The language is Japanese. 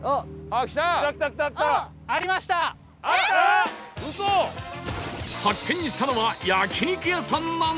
発見したのは焼肉屋さんなのか？